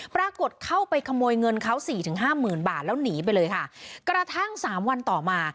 ปรากฏเข้าไปขโมยเงินเขาสี่ถึงห้าหมื่นบาทแล้วหนีไปเลยค่ะกระทั่งสามวันต่อมา